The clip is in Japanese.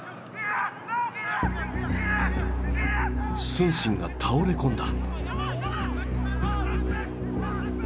承信が倒れ込んだ。